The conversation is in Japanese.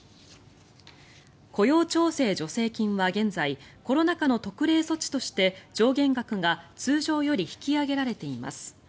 雇用調整助成金は現在コロナ禍の特例措置として上限額が通常より引き上げられています。